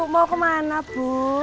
mau kemana bu